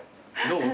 どう？